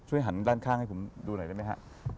หันด้านข้างให้ผมดูหน่อยได้ไหมฮะ